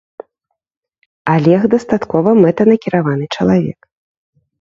Алег дастаткова мэтанакіраваны чалавек.